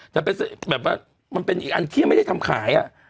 แต่เป็นแบบว่ามันเป็นอีกอันที่ไม่ได้ทำขาย